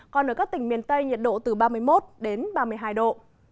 còn ở các tỉnh miền tây nhiệt độ từ ba mươi một đến ba mươi hai độ